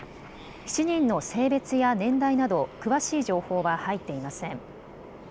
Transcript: ７人の性別や年代など詳しい情報は入っていません。